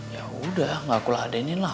ya udah gak kulah adenin lah